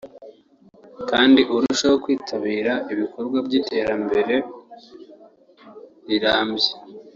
kandi arusheho kwitabira ibikorwa by’iterambere rirambye